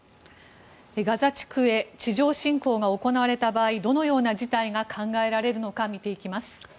ガザ地区へ地上侵攻が行われた場合どのような事態が考えられるのか見ていきます。